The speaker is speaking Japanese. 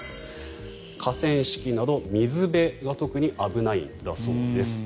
河川敷など水辺が特に危ないんだそうです。